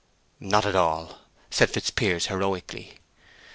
"Not at all," said Fitzpiers, heroically.